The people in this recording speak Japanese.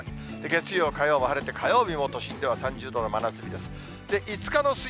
月曜、火曜も晴れて、火曜日は都心では３０度の真夏日です。